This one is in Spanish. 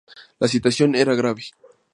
La situación era grave.